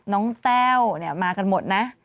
แต้วมากันหมดนะ